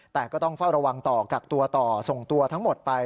แต่ก็ต้องเฝ้าระวังต่อกักตัวต่อส่งตัวทั้งหมดไป